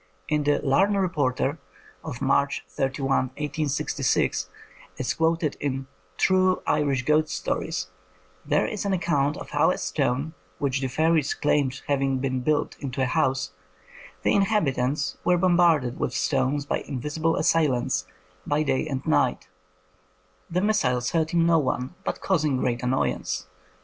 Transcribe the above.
In the Lame Reporter of March 31, 1866, as quoted in True Irish Ghost Stories^ there is an account of how a stone which the fairies claimed having been built into a house, the inhabitants were bombarded with stones by invisible assailants by day and night, the missiles hurting no one, but causing great annoyance.